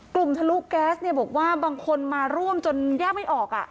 ทะลุแก๊สเนี่ยบอกว่าบางคนมาร่วมจนแยกไม่ออก